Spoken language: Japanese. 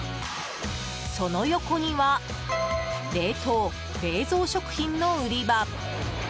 その横には冷凍・冷蔵食品の売り場。